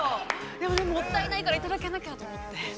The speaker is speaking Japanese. でも、もったいないからいただかなきゃと思って。